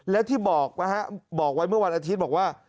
และที่บอกนะฮะบอกไว้เมื่อวันอาทิตย์บอกว่า